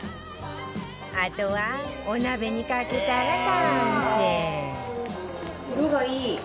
あとはお鍋にかけたら完成色がいい！